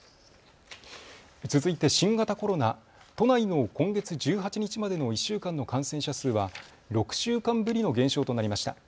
続いて新型コロナ、都内の今月１８日までの１週間の感染者数は６週間ぶりの減少となりました。